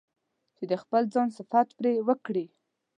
چې د خپل ځان صفت پرې وکړي.